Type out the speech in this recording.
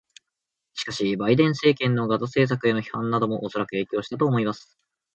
しかし、バイデン政権のガザ政策への批判などもおそらく影響したと思います。